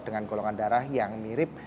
dengan golongan darah yang mirip